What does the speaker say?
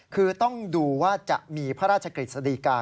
คือต้องดูว่าจะมีพระราชกฤษฎีกา